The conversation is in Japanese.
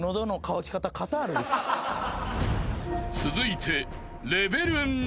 ［続いて］